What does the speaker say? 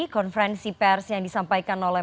konferensi pers yang disampaikan oleh